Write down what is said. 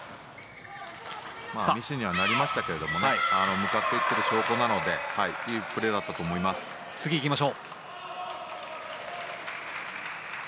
ミスにはなりましたけど向かっていっている証拠なのでいいプレーだったと思います。